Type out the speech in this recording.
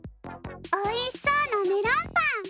おいしそうなメロンパン！